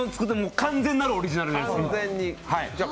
完全なるオリジナルです。